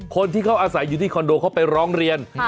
คนที่เขาอาศัยอยู่ที่คอนโดเขาไปร้องเรียน